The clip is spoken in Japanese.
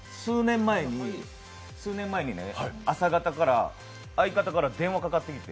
数年前にね、朝方から相方から連絡かかってきて。